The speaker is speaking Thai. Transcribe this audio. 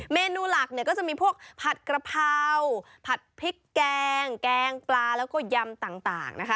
เมนูหลักเนี่ยก็จะมีพวกผัดกระเพราผัดพริกแกงแกงปลาแล้วก็ยำต่างนะคะ